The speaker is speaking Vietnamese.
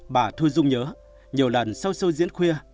bà thu dung nhớ nhiều lần sau sâu diễn khuya